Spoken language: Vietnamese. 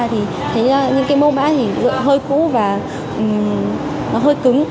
thì thấy những cái mẫu mã thì hơi cũ và nó hơi cứng